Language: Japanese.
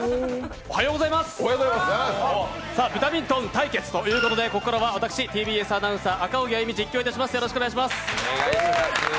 おはようございます、「ブタミントン」対決ということでここからは私、ＴＢＳアナウンサー・赤荻歩が実況いたします。